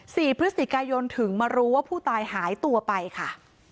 สี่พฤศจิกายนถึงมารู้ว่าผู้ตายหายตัวไปค่ะ